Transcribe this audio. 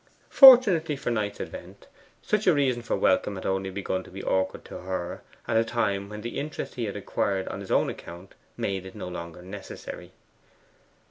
Fortunately for Knight's advent, such a reason for welcome had only begun to be awkward to her at a time when the interest he had acquired on his own account made it no longer necessary.